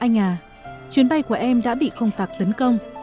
anh à chuyến bay của em đã bị không tặc tấn công